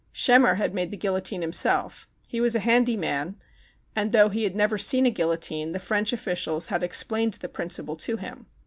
Schemmer had made the guillotine himself. He was a handy man, and though he had never seen a guillotine, the French officials had ex plained the principle to him.